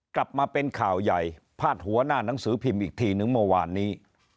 กลับมาเป็นข่าวใหญ่พาดหัวหน้าหนังสือพิมพ์อีกทีนึงเมื่อวานนี้